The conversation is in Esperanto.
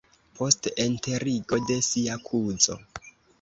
post enterigo de sia kuzo.